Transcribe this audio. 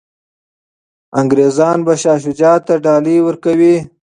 انګریزان به شاه شجاع ته ډالۍ ورکوي.